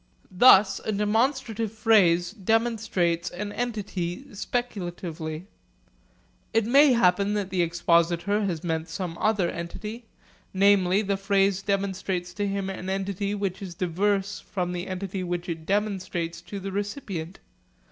Thus a demonstrative phrase demonstrates an entity speculatively. It may happen that the expositor has meant some other entity namely, the phrase demonstrates to him an entity which is diverse from the entity which it demonstrates to the recipient.